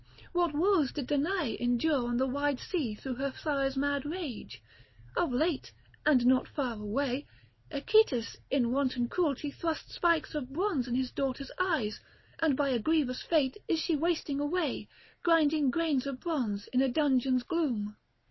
What woes did Danae endure on the wide sea through her sire's mad rage! Of late, and not far away, Echetus in wanton cruelty thrust spikes of bronze in his daughter's eyes; and by a grievous fate is she wasting away, grinding grains of bronze in a dungeon's gloom."